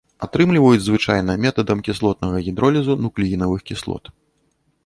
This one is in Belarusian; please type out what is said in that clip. Атрымліваюць звычайна метадам кіслотнага гідролізу нуклеінавых кіслот.